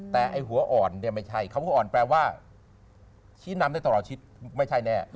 แต่หัวอ่อนไม่ใช่เขาหัวอ่อนแปลว่าชี้น้ำได้ตลอดชิดไม่ใช่แน่